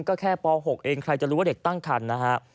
ก็แค่ป๖เองใครจะรู้ว่าเด็กตั้งคันนะฮะ